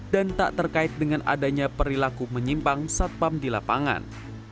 dan tak terkait dengan adanya perilaku menyimpang satpam di lapangan